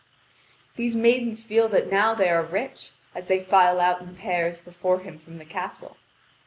These maidens feel that now they are rich, as they file out in pairs before him from the castle.